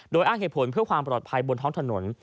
โดยอ้างเหตุผลเพื่อความปลอดภัยบนท้องถนน